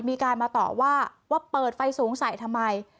มีการมาต่อว่าว่าเปิดไฟสูงใส่ทำไม